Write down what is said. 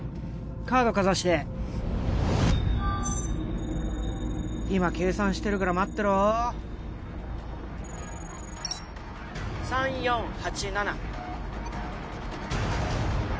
カードかざして今計算してるから待ってろ３４８７